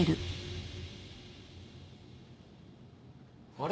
あれ？